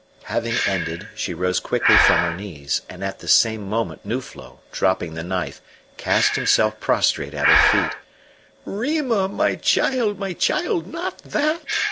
Having ended, she rose quickly from her knees, and at the same moment Nuflo, dropping the knife, cast himself prostrate at her feet. "Rima my child, my child, not that!"